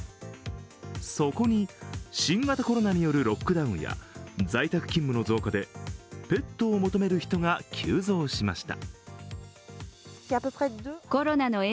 そこに新型コロナによるロックダウンや在宅勤務の増加でペットを求める人が急増しました。